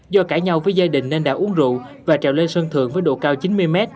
do cãi nhau với gia đình nên đã uống rượu và trèo lên sân thượng với độ cao chín mươi m